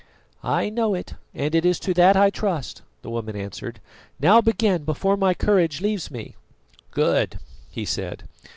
"I know it, and it is to that I trust," the woman answered. "Now begin, before my courage leaves me." "Good," he said.